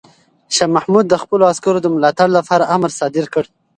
شاه محمود د خپلو عسکرو د ملاتړ لپاره امر صادر کړ.